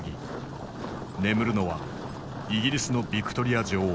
眠るのはイギリスのヴィクトリア女王。